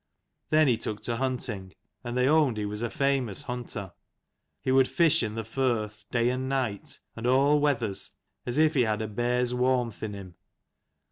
Then he took to hunting : and they owned he was a famous hunter. He would fish in the firth, day and night and all weathers, as if he had a bear's warmth in him.